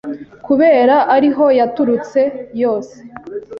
kubera ariho yaturutse yose